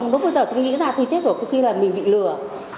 lúc bây giờ tôi nghĩ ra tôi chết rồi tôi kia là mình bị lừa